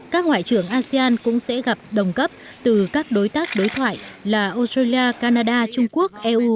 các ngoại trưởng asean cũng sẽ gặp đồng cấp từ các đối tác đối thoại là australia canada trung quốc eu